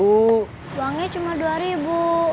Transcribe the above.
uangnya cuma rp dua